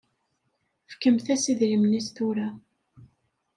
Fkemt-as idrimen-is tura.